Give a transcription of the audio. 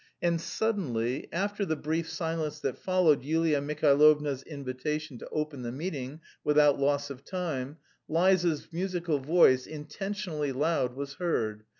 And suddenly, after the brief silence that followed Yulia Mihailovna's invitation to open the meeting without loss of time, Liza's musical voice, intentionally loud, was heard.